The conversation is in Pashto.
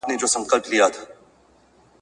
ذمي ته حقوق ورکول اسلام دی.